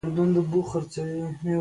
چرګان چټک ځغلېږي.